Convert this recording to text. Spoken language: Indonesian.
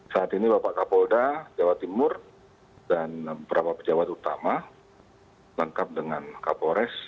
saat ini bapak kapolda jawa timur dan beberapa pejabat utama lengkap dengan kapolres